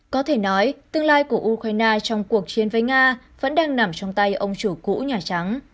có thể nói tương lai của ukraine trong cuộc chiến với nga vẫn đang nằm trong tay ông chủ cũ nhà trắng